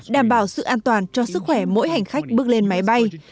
đảm bảo sự an toàn cho sức khỏe mỗi hành khách bước lên máy bay